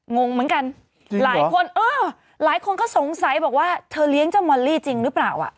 งงเหมือนกันหลายคนเออหลายคนก็สงสัยบอกว่าเธอเลี้ยงเจ้ามอลลี่จริงหรือเปล่าอ่ะ